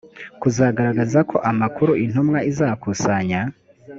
kugaragaza ko amakuru intumwa izakusanya